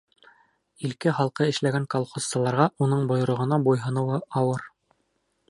Илке-һалҡы эшләгән колхозсыларға уның бойороғона буйһоноу ауыр.